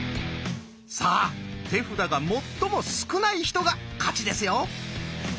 さあ手札が最も少ない人が勝ちですよ。